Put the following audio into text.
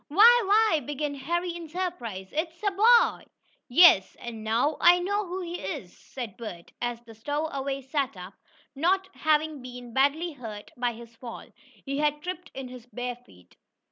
"Why why " began Harry, in surprise. "It's a a boy." "Yes, and now I know who he is," said Bert, as the stowaway sat up, not having been badly hurt by his fall. He had tripped in his bare feet.